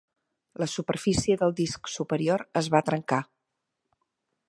La superfície del disc superior es va trencar.